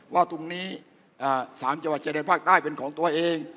ว่าตรงนี้สามเจณฐ์ภาคใต้เป็นของตัวเอง